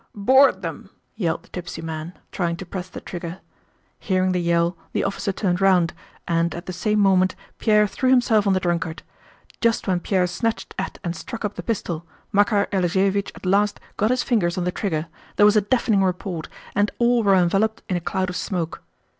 "Board them!" yelled the tipsy man, trying to press the trigger. Hearing the yell the officer turned round, and at the same moment Pierre threw himself on the drunkard. Just when Pierre snatched at and struck up the pistol Makár Alexéevich at last got his fingers on the trigger, there was a deafening report, and all were enveloped in a cloud of smoke.